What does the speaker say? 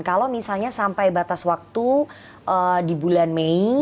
kalau misalnya sampai batas waktu di bulan mei